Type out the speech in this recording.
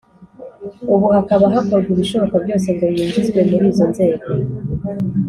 ubu hakaba hakorwa ibishoboka byose ngo yinjizwe muri izo nzego.